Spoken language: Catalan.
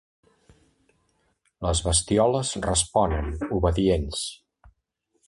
Les bestioles responen, obedients.